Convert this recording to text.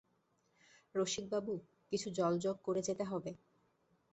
রসিকবাবু, কিছু জলযোগ করে যেতে হবে।